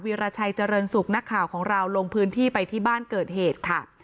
ราชัยเจริญสุขนักข่าวของเราลงพื้นที่ไปที่บ้านเกิดเหตุค่ะ